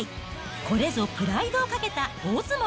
これぞプライドをかけた大相撲。